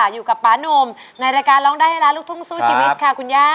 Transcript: อยู่กับป๊านุ่มในรายการร้องได้ให้ล้านลูกทุ่งสู้ชีวิตค่ะคุณย่า